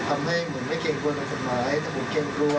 ทำให้เหมือนไม่เก่งกวนในสมัยแต่ผมเก่งกลัว